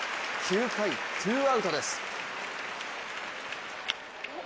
９回ツーアウトです。